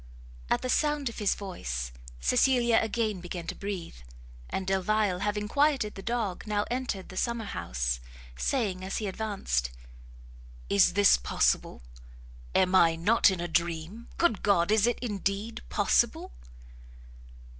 At the sound of his voice, Cecilia again began to breathe; and Delvile having quieted the dog, now entered the summer house, saying, as he advanced, "Is this possible! am I not in a dream? Good God! is it indeed possible!"